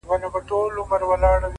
• د دوبي ټکنده غرمې د ژمي سوړ سهار مي؛